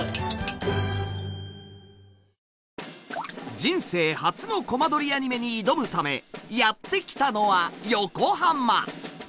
人生初のコマ撮りアニメに挑むためやってきたのは横浜！